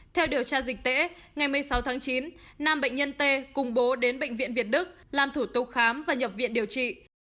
theo điều tra dịch tễ ngày một mươi sáu tháng chín nam bệnh nhân t cùng bố đến bệnh viện việt đức làm thủ tục khám và nhập viện điều trị